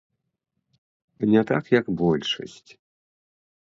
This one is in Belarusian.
Не так, як большасць.